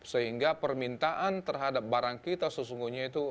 sehingga permintaan terhadap barang kita sesungguhnya itu